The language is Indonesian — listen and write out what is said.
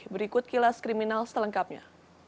berikut kilas kriminal setelengkapnya